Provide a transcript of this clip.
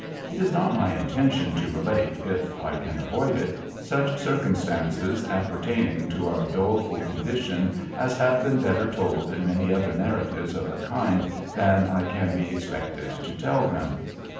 It is not my intention to relate (if I can avoid it) such circumstances appertaining to our doleful condition as have been ])etter told in many other narratives of the kind than I can be expected to tell them.